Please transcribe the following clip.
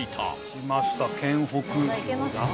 きました県北。